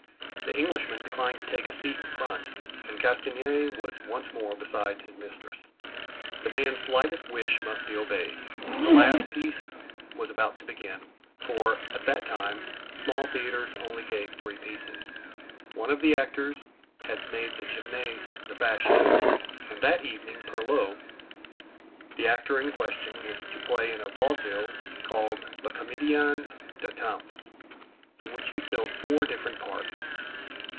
The Englishman declined to take a seat in front, and Castanier was once more beside his mistress; the man's slightest wish must be obeyed. The last piece was about to begin, for, at that time, small theaters only gave three pieces. One of the actors had made the Gymnase the fashion, and that evening Perlet (the actor in question) was to play in a vaudeville called Le Comédien d'Étampes, in which he filled four different parts.